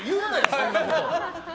そんなこと。